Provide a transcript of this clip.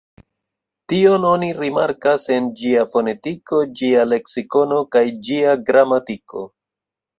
Tion oni rimarkas en ĝia fonetiko, ĝia leksikono kaj ĝia gramatiko.